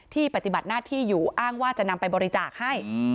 ปฏิบัติหน้าที่อยู่อ้างว่าจะนำไปบริจาคให้